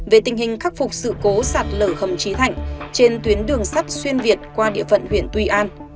về tình hình khắc phục sự cố sạt lở hầm trí thạnh trên tuyến đường sắt xuyên việt qua địa phận huyện tuy an